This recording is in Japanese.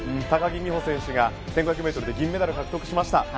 高木美帆選手が１５００ｍで銀メダルを獲得しました。